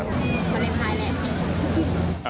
มันได้คล้ายเลย